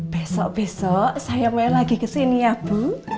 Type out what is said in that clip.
besok besok saya mau lagi ke sini ya bu